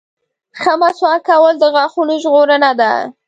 • ښه مسواک کول د غاښونو ژغورنه ده.